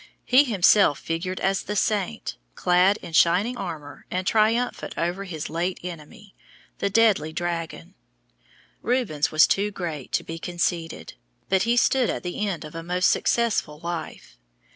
He himself figured as the Saint, clad in shining armor and triumphant over his late enemy, the deadly dragon. Rubens was too great to be conceited, but he stood at the end of a most successful life.